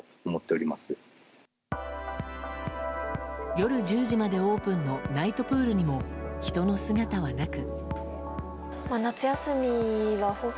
夜１０時までオープンのナイトプールにも人の姿はなく。